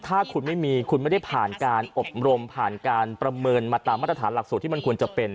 ถ้าคุณไม่มีคุณไม่ได้ผ่านการอบรมผ่านการประเมินมาตามมาตรฐานหลักสูตรที่มันควรจะเป็น